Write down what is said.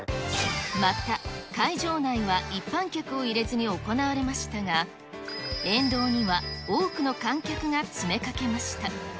また、会場内は一般客を入れずに行われましたが、沿道には多くの観客が詰めかけました。